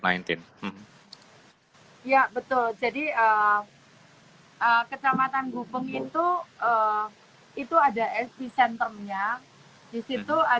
ya betul jadi kecamatan bupeng itu itu ada tolerance center nya